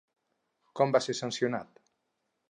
Com va ser sancionat?